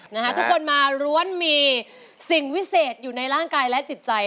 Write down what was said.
ทุกคนมาล้วนมีสิ่งวิเศษอยู่ในร่างกายและจิตใจ